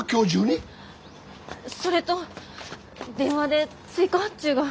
それと電話で追加発注が。